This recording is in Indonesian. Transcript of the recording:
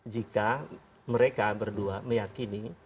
jika mereka berdua meyakini